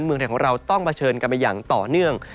เมืองไทยของเราต้องเผชิญกันไปอย่างต่อเนื่อง